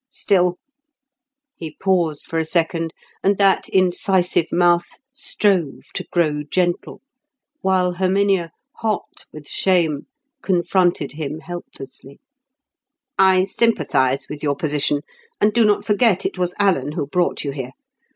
Still"—he paused for a second, and that incisive mouth strove to grow gentle, while Herminia hot with shame, confronted him helplessly—"I sympathise with your position, and do not forget it was Alan who brought you here.